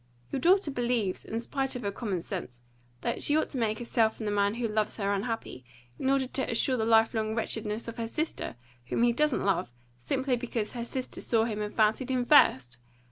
Your daughter believes, in spite of her common sense, that she ought to make herself and the man who loves her unhappy, in order to assure the life long wretchedness of her sister, whom he doesn't love, simply because her sister saw him and fancied him first!